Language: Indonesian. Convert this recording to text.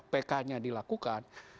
pk nya dilakukan